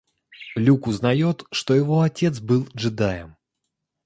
Люк узнает, что его отец был джедаем